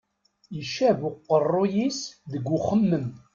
Icab uqeṛṛuy-is deg uxemmem.